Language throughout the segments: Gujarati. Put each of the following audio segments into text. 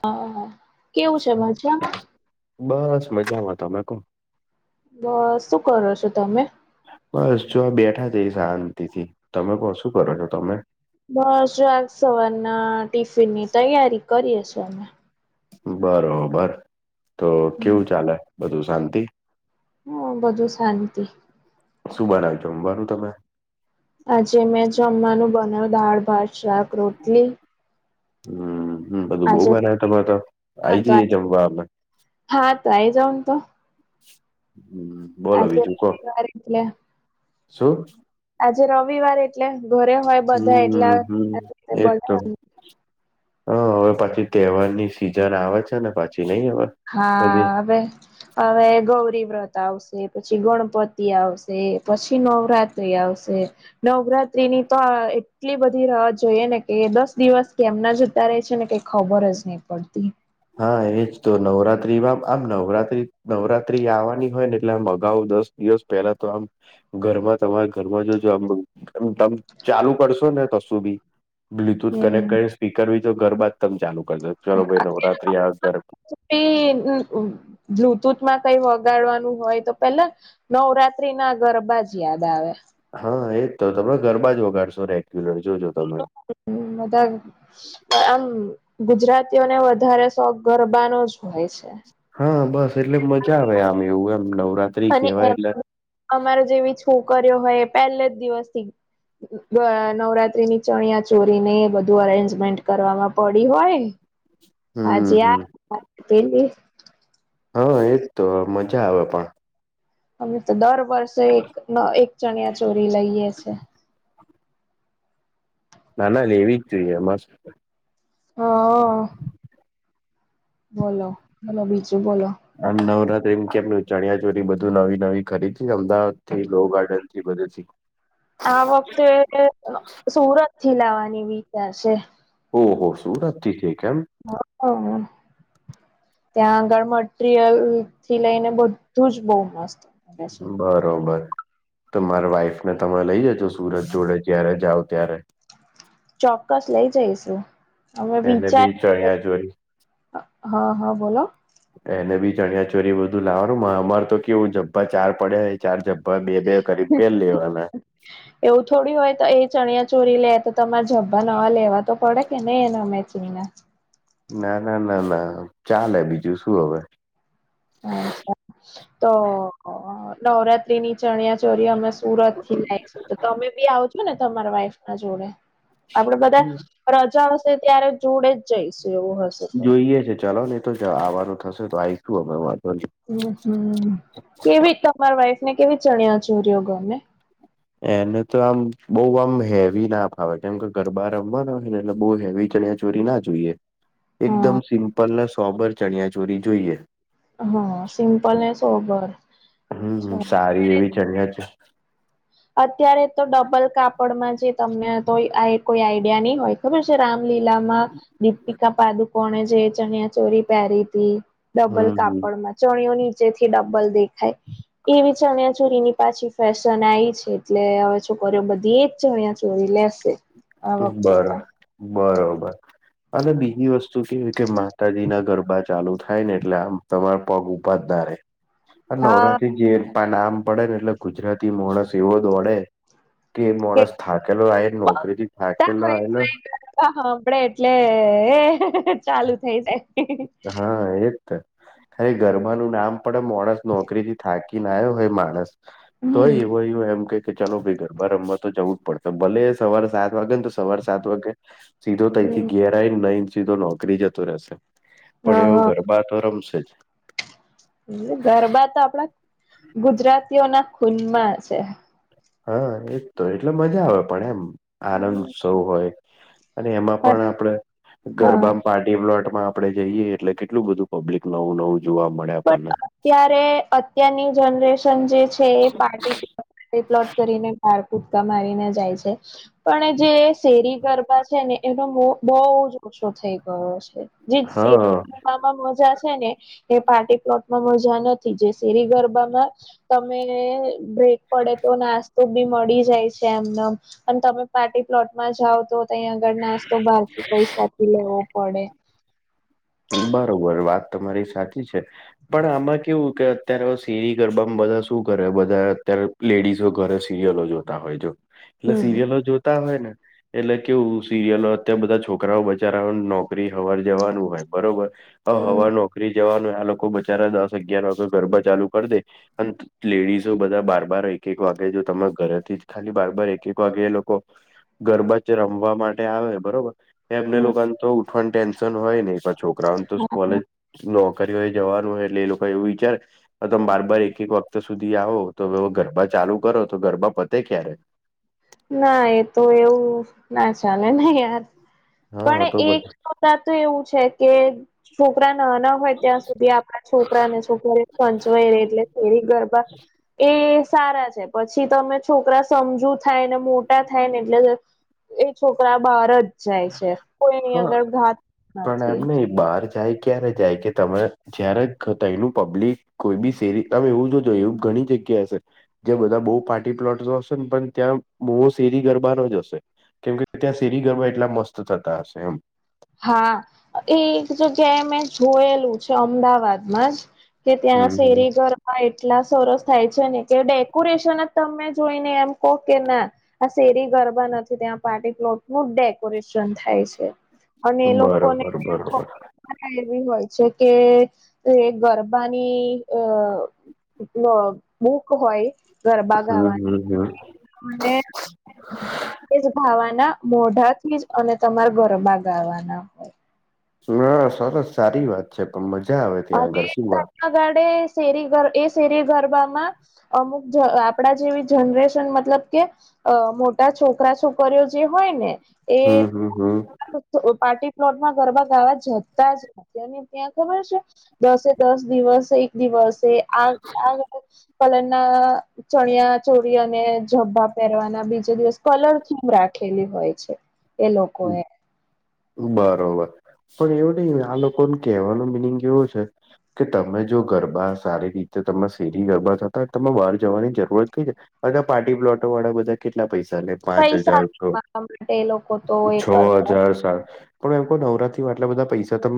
હા, કેવું છે મજામાં? બસ મજામાં તમે કેવો? બસ શું કરો છો તમે? બસ જો આ બેઠા જઈ શાંતિ થી તમે કેવો શું કરો છો તમે? બસ આ સવારના ટિફિનની તૈયારી કરીએ છીએ અમે. બરોબર, તો કેવું ચાલે બધું શાંતિ? હા બધું શાંતિ. શું બનાવ્યું જમવાનું તમે? આજે મેં જમવાનું બનાવ્યું દાળ ભાત શાક રોટલી. હમમ. હમ બધું બો આજે બનાવ્યું તમારે ત્યાં તો, હા આવી તો આ જયે જમવા અમે. હા તો આઈ જાવ ને તો હ બોલો આજે બીજું કહો, રવિવાર એટલે શું? આજે રવિવાર એટલે ઘરે હોય. હમ બધા ના એટલા હ એ જ તો. બધા હા! હવે પછી તહેવાર ની સિઝન આવે છે ને પછી નઈ અવે. હા આવે. અવે ગૌરી વ્રત આવશે, પછી ગણપતિ આવશે, પછી નવરાત્રી આવશે. નવરાત્રી ની તો આ એટલી બધી રાહત જોઈએ ને કે દસ દિવસ કેમ ના જતા ર રેય છે ને. ખબર જ નહીં પડતી. હા એજ તો નવરાત્રી માં આમ નવરાત્રી નવરાત્રી આવવાની હોય ને એટલે આમ અગાઉ દસ દિવસ પેલા તો આમ, ઘરમાં તમારે ઘરમાં જો જો તમે ચાલુ કરશો ને કશું બી બ્લુટુથ કનેક્ટ હમ કરીને સ્પીકર બી તો ઘર માં જ તમે ચાલુ કરજો ચાલો ભાઈ નવરાત્રી આવે. એ બ્લુટુથ બ્લૂટુથ માં કઈ વગાડવાનું હોય તો પેલા જ નવરાત્રી ના ગરબા જ યાદ આવે. હા એજ તો તમે ગરબા જ બગાડશો રે ટેલર જોજો તમે હ બધા આમ, ગુજરાતીઓને વધારે શોક ગરબાનો જ હોય છે. હા બસ એટલે મજા આવે આમ એવું એમ નવરાત્રી અને કેવાય એટલે એમાં અમારા જેવી છોકરીઓ હોય એ પહેલે જ દિવસથી નવરાત્રી ની ચણિયા- ચોલી ને બધું અરેન્જમેન્ટ કરવામાં પડી હોય. હમ આજે આ હમ અને પેલી હા એજ તો મજા આવે પણ, અમે તો દર વર્ષે એક એક ચણિયા ચોળી લઈએ છીએં. ના ના લેવી જ જોઈએ મસ્ત. હ બોલો બોલો બીજું બોલો એમ નવરાત્રીમાં કેમનું ચણિયા ચોળી બધું નવી નવી ખરીદી. અમદાવાદ થી લો-ગાર્ડન થી બધેથી આ વખતે સુરત થી લાવવાની વિચાર છે. ઓ હો સુરત છેક એમ? હઅ ત્યાં ગળ મટીરિયલ થી લેઈને બધું જ બો મસ્ત બરોબર તો માર વાઈફને તમે લેઈ જજો સુરત જોડે જ્યારે જાઓ ત્યારે ચોક્કસ લેઈ જઈશું તમે એને બી વિચારે ચણિયા ચોરી અ હ હ બોલો એને બી ચણિયા ચોરી બધું લાવાનું મારા માર તો કેવું જબ્બા ચાર પડ્યા ઓય ચાર ઝભ્ભા બે બે કરીને પહેરી લેવાના. [unintelligible] એવું થોડી હોય તો એ ચણિયા ચોરી લે તો તમાર ઝભ્ભા નવા લેવા તો પડે કે નઈ એના મેચિંગ ના ના ના ના ના ચાલે બીજું શું અવે અચ્છા તોઅ-અ-અ અ નવરાત્રી ની ચણિયા ચોરી અમે સુરત થી લાય તો ત તમે બી આવજો ને તમારા વાઈફ ના જોળે આપડે બધા હવે રજા હશે ત્યારે જોડે જ જઈશું એવું હશે તો ઇએ છે ચાલોની થોય તે આવાનું થશે તો આઈશું અમે વાધો હમ્મ હમ-મ-મ કેવી તમાર વાઈફ ને કેવી ચણિયા ચોરીઓ ગમે એને તો આમ બોવ આમ હેવી ના ફાવે કેમ કે ગરબા રમવાના હોય ને એટલે બો હેવી ચણીયા ચોરી ના જોઈએ હા એકદમ સિમ્પલ ને સોમ્બર ચણિયા ચોડી જોઈએ. હ સિમ્પલ ને સોબર. હમ્મ અચ્છા હમ્મ સારી એવી ચણીયા ચ અત્યારે તો ડબલ કાપડમાં જે તમને તો એ આ એક કોઈ આઈડિયા ની હોય. ખબર છે રામલીલામાં દીપિકા પાદુકોણે જે ચણિયા ચોરી પેરી તી. ડબલ હમ કાપળમાં ચણિયો નીચે થી ડાબલ દેખાય, એવી ચન્યા ચોરીની પાછી ફેશન આઈ છે એટલે અવે છોકરીઓ બધી ચણિયા ચોરી લેશે. આ વખતે બરાબર તો બરોબર. અને બીજી વસ્તુ કેવી ઓય કે માતાજી ના ગરબા ચાલુ થાય ને એટલે આમ તમારા પગ ઉભાત ના રે, અન હા નવરાત્રીન જે તા નામ પડે ને એટલે ગુજરાતી મોણસ એવો દોડે, કે મોળસ થાકેલો આયે ખરેટી થાકેલો આવેલો. હ હ હભળે એટલે-લે-લે હે-હે-હે ચાલુ થઈ જાય. એ હા એ ત, અરે ગરબાનું નામ પડે મોણસ નોકરીથી થાકી ના આયો હોય માણસ, તોય હમ એવોય વય એમ કે કે ચાલો ભાઈ ગરબા રમ્મા તો જવું પણ ભલે સવારે સાત વાગે ન તો તવારે સાત વાગે, સીધો તયથી હમ ઘેરાયન નઈન છીધો નોકરી જતો રેહેશે. હ પણ એવો ગરબા તો રમશે જ. ગરબા તો આપલા ગુજરાતીઓના ખૂનમાં છે. હા એત્તો એટલે મઝા આવે પણ એમ. આનંન ઉત્સવ હમ. હોય, અને એમાં પણ આપડે હા ગરબામ પા ટી પ્લોટમાં આપડે જઈએ એટલે કેટલું બધું પબ્લિક નવું નવું જોવા મળે આપણને. ત્યારે અત્યારની જનરેશન જે છે એ પાર્ટી તે પ્લોટ કરીને બાર કૂદકા મારીને જાય છે. પણ એ જે શેરી ગરબા છે ને એનો મોહ બોવજ ઓછો થઈ ગયો છે. જે શે હા માવામ મજા છે ને, એ પાર્ટી પ્લોટમાં મઝા નથી, જે શેરી ગરબામાં તમે-મે-મે બ્રેક પડે તો નાસ તો બી મળી જાય છે એમનમ, અન તા પણ પાર્ટી પ્લોટમાં જાવ તો તયા આગળ નાસ્તો બારથી પૈસા થી લેવો પડે. કેઇન બારોબર વાત તમારી સાકી છે. પણ આમાં કેવું કે અત્યાર અ શેરી ગરબામ બધા શું કરે બધા આ અત્યાર લેડીઝો ઘરે સિરિયલો જોતા હોય જો, એટલે હમ સિરિયલો જોતા હોય ને. એટલે કેવું સિરિયલો અત્યારે બધા છોકરાઓ બચારા નોકરી હવાર જવાનું હોય. બરોબર હવા હમ નોકરી જવાનું આ લોકો બચારા દસ અગિયાર વાગે ગરબા ચાલુ કરી દે. અને લેડીઝો બધા બાર બાર એક એક વાગે જો તમારા ઘરેથી ખાલી બારબાર એક એક વાગે એ લોકો. ગરબાચ રમવા માટે આવે બરોબર, એમને હમ લોકો તો ઉઠવાનું ટેન હોય ને પણ છોકરાઓને તો કોલેજ નોકરી હોય જવાનું હોય એટલે એ લોકો એવું વિચારે તો તમે બાર બાર એક એક વખત સુધી આવો તો ગરબા ચાલુ કરો તો ગરબા પતે ક્યારે? ના એ તો એવું ના ચાલે નહી યાર હા પણ તો પછી એકતા તો એવું છે કે છોકરા ના ના હોય ત્યાં સુધી આપડા છોકરાને છક પચવાય ર એટલે ફેરી ગરબા એ સારા છે પછી તમે છોકરા સમજુ થાય ને મોટા થાય ને એટલે એ છોકરા બહાર જ જાય છે કોઈની હા આગળ ઘાત પણ નથી. એમ નહી બહાર જાય ક્યારે જાય કે તમે જ્યારે એનું પબ્લિક કોઈ બી સેરી તમે એવું જોજો એવું ઘણી જગ્યા હ છે જ્યાં બધા બહુ પાર્ટી પ્લોટ જોશો ને પણ ત્યાં મોવો શેરી ગરબાનો જ હશે કેમ કે ત્યાં શેરી ગરબા એટલા મસ્ત થતા હશે એમ હા એ એક જગ્યાએ મેં જોયેલું છે અમદાવાદમાં જ કે ત્યાં હમ શેરી ઘર હા એટલા સરસ થાય છે ને કે ડેકોરેશન જ તમે જોઈને એમ કહો કે ના આ શેરી ગરબા નથી ત્યાં પાર્ટી પ્લોટ નું ડેકોરેશન થાય છે અને એ હમ લોકો ને બરોબર બરોબર [unintelligible] રા એવી હોય છે કે એ ગરબાની અ એ બૂક હોય ગરબા હમ ગાવાની હમ હમ અને એજ ભાવાના મોઢા થી જ અને તમાર ગરબા ગાવાના હોય હા સરસ સારી વાત છે પણ મજા આવે ત્યાં ઘર સૂવા ગાડે શેરી ગરબા એ શેરી ગરબામાં અમુક આપણા જેવી જનરેશન મતલબ કે અ મોટા છોકરા છોકરીઓ જે હોય ને એ હમ હમ હમ પાર્ટી પ્લોટમાં ગરબા ગાવા જતા જ અતને ત્યાં ખબર છે દસે દસ દિવસ એક દિવસ આ આ કલર ના ચણિયા ચોરી અને જબ્બા પહેરવાના બીજે દિવસ કલર થીમ રાખેલી હોય છે એ લોકો એ બરોબર પણ એવું નહીં આ લોકોને કેહેવાનો મિનિંગ કેવો છે કે તમે જો ગરબા સારી રીતે તમે શેરી ગરબા થતા તમે બહાર જવાની જરૂરત કઈ છે પાર્ટી પ્લોટો વાળા બધા કેટલા પૈસા લે પાંચ હજાર પૈસા કમાવા માટે લોકો તો એ છ કરતા હજાર સાત પણ એમ કો નવરાત માં આટલા બધા પૈસા ત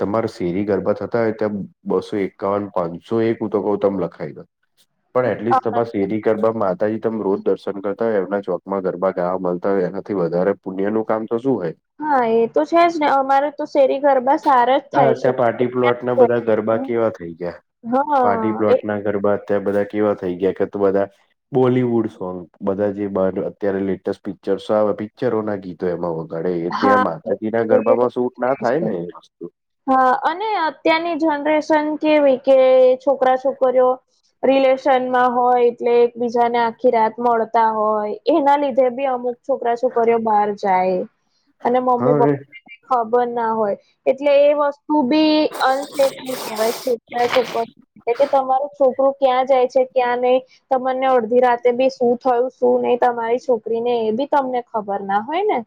તમારા શેરી ગરબા થતા હોય ત્યા બસો એકાન પાંચસો એક હું તો કઉ તમે લખાઈ દો [unintelligible] એટલીસ્ટ તમાર શેરી કરવામાં આવે માતાજી તમ રોજ દર્શન કરતા હોય એમના ચોકમાં ગરબા ગાવા મળતા હોય એનાથી વધારે પુણ્યા નું કામ તો શું હોય હા એ તો છે જ ને અમારે તો શેરી ગરબા સારા જ આ થાય અત્યારે છે પાર્ટી પ્લોટ ના બધા ગરબા ત્યાં કેવા થઈ ગયા પાર્ટી હા એક પ્લોટ ના ગરબા ત્યા બધા કેવા થઈ ગયા કે તો બધા બોલીવુડ સોંગ બધા જે અત્યારે લેટેસ્ટ પિક્ચર આવે પિક્ચરો ના ગીતો એમાં વગાડે એ ત્યાં હા. માતાજી ના ગરબામાં શૂટ ના થાય ને એ વસ્તુ હા અને અત્યારની જનરેશન કેવી કે છોકરા છોકરીઓ રિલેશનમાં હોય એટલે એકબીજાને ખીરાત મળતા હોય એના લીધે બી અમુક છોકરા છોકરીઓ બહાર જાય અને મમ્મી હા એ પપ્પાને ખબર ના હોય એટલે એ વસ્તુ બી અનસેફ નહી કહેવાય છોકરા છોકરીઓ એ કે તમારું છોકરું ક્યાં જાય છે ક્યાં નહી તમને અડધી રાતે બી શું થયું શું નઈ તમારી છોકરીને એ બી તમને ખબર ના હોય ને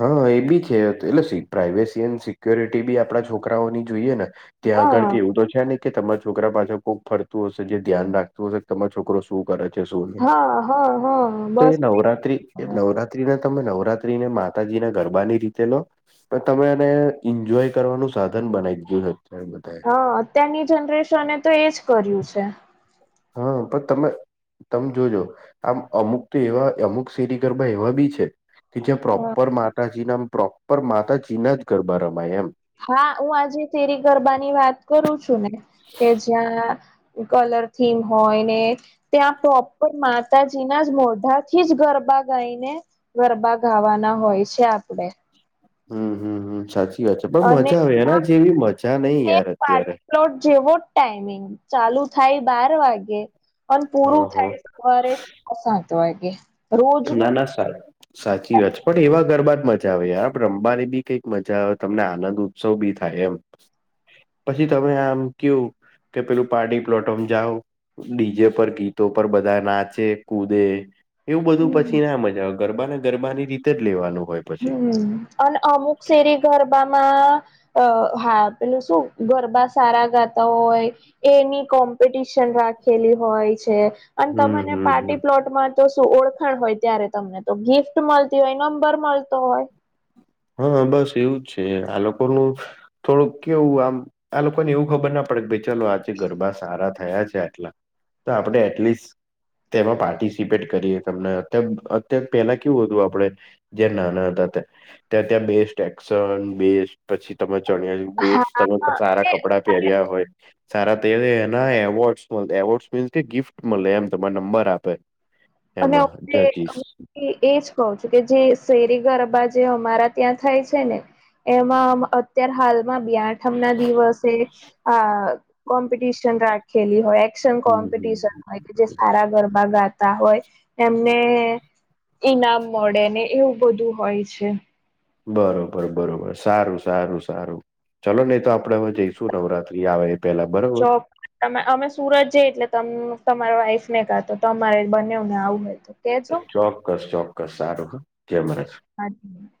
હા એ બી છે એટલે પ્રાાઈવેસી એ સિક્યોરિટી બી આપડા છોકરાઓની જોઈએ ને ત્યાં આગળ હા કે એવું તો છે, ને કે તમારા છોકરા પાસે કોક ફરતું હશે જે ધ્યાન રાખતું હશે તમારો છોકરો શું કરે છે, શું નહી હા હા હા તો એ બસ નવરાત્રી એ નવરા ત્રીના તમે નવરાત્રીને માતાજીના ગરબાની રીતે લો પણ તમે એને એન્જોય કરવાનું સાધન બનાય દીધુ [unintelligible] હ અત્યારની જનરેશને તો એજ કર્યું છે. હા પણ તમે તમે જોજો આમ અમુક તો એવા અમુક શેરી ગરબા એવા બી છે. કે જ્યા હ પ્રોપર માતાજીના પ્રોપર માતાજીના જ ગરબા રમાય એમ હા હું આજે તેરી ગરબાની વાત કરું છું ને કે જ્યાં કલર થીમ હોય ને ત્યાં પ્રોપર માતાજીના જ મોઢાથી જ ગરબા ગાઈને ગરબા ગાવાના હોય છે, આપડે હમ હમ હમ સાચી વાત છે, પણ અને મજા આવે એના જેવી મજા નય તે યાર અત્યારે પાર્ટી પ્લોટ જેવો ટાઈમિંગ ચાલુ થાય બાર વાગે અને પૂરું હા હા થાય [unintelligible] સાત વાગે રોજ ના નું ના [unintelligible] સાચી વાત છે, પણ એવા ગરબા જ મજા આવે યાર રમવાની બી કંઈક મજા આવે તમને આનંદ ઉત્સવ બી થાય એમ પછી તમે આમ કયુ કે પેલું પાર્ટી પ્લોટમ જાઓ ડીજે પર ગીતો પર બધા નાચે કૂદે એવું બધું પછી ના મજા આવે ગરબા ને ગરબાની રીતે જ લેવાનું હોય પછી હમ અને અમુક શેરી ગરબામાં અ હા પેલું શું? ગરબા સારા ગાતા હોય એની કોમ્પિટિશન રાખેલી હોય છે. અને હમ તમને હમ હમ પાર્ટી પ્લોટ તો શું ઓળખણ હોય ત્યારે તમને તો ગિફ્ટ મલતી હોય નંબર મલતો હોય હા બસ એવું જ છે, આ લોકોનું થોડુંક કેવું આમ આ લોકોને એવું ખબર ના પડે ભાય ચાલો આજે ગરબા સારા થયા છે, આટલા તો આપણે એટલીસ્ટ તેમાં પાર્ટિસિપેટ કરીએ તમને [unintelligible] પેલા કેવું હતું આપણે જે નાના હતાતા ત્યાં ત્યાં બેસ્ટ એકક્શન બેસ્ટ પછી તમે ચણ્યા બેસ્ટ હા તમે સારા એ કપડા પહેર્યા હોય. સારા તે એના એવોર્ડસ મલ એવોર્ડસ મીન્સ કે ગિફ્ટ મલે એમ તમાને નંબર આપે અને એમાં જજીસ [unintelligible] એજ કહું છું કે જે શેરી ગરબા જે અમારા ત્યાં થાય છે, ને એમાં અત્યાર હાલ મા બે આઠમના દિવસે આ કોમ્પિટિશન રા ખેલી હોય એક્શન હમ હમ કોમ્પિટિશન હોય કે જે સારા ગરબા ગાતા હોય એમને ઈનામ મળે ને એવું બધું હોય છે. બરોબર બરોબર સારું સારું સારું. ચલો ને તો આપડે હવે જઈશું નવરાત્રી આવે પેલા બરોબર ચો તમે અમે સુરત જઈ એટલે ત તમારા વાઈફ ને કાતો તમારે બને ને આવું હોય તો કેજો ચોક્કસ ચોક્કસ સારું કેમરે [inaudible]